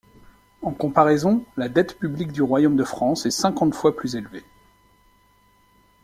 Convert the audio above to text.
En comparaison, la dette publique du royaume de France est cinquante fois plus élevée.